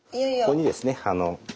ここにですね